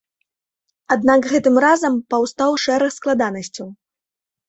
Аднак гэтым разам паўстаў шэраг складанасцяў.